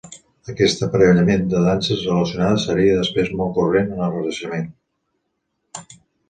Aquest aparellament de danses relacionades seria després molt corrent en el Renaixement.